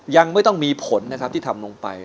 ยังไม่ต้องมีผลนะครับที่ทำลงไป